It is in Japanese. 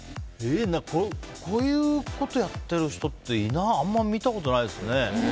こういうことやってる人ってあんまり見たことないですね。